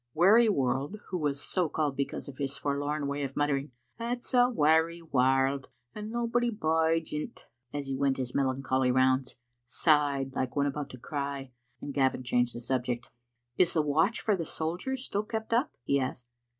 Wearyworld, who was so called because of his forlorn way of muttering, " It's a weary warld, and nobody bides in't" as he went his melancholy rounds, sighed like one about to cry, and Gavin changed the subject. " Is the watch for the soldiers still kept up?" he asked.